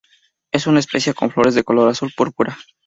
Es una especie con flores de color azul-púrpura.